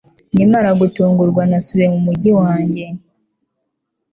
Nkimara gutungurwa, nasubiye mu mujyi wanjye